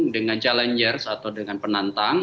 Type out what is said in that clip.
dengan challengers atau dengan penantang